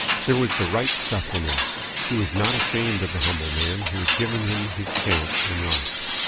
There was the right stuff in him. He was not ashamed of the humble man who had given him his chance in life.